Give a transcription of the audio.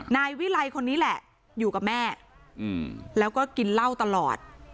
นายวิไลคนนี้แหละอยู่กับแม่แล้วก็กินเหล้าตลอด